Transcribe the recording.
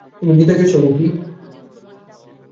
তুমি জিতে গেছো, খুকী।